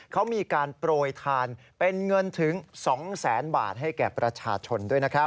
เขามีการโปรยทานเป็นเงินถึง๒๐๐๐๐๐บาทให้แก่ประชาชน